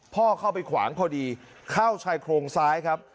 เข้าไปขวางพอดีเข้าชายโครงซ้ายครับ